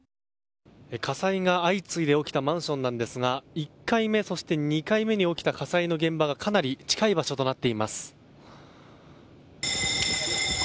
火災が相次いで起きたマンションなんですが１回目、そして２回目に起きた火災の現場がかなり近い場所となっています。